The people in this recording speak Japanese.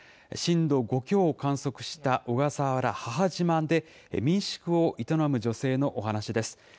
震度５強を観測した小笠原・母島で民宿を営む女性のお話です。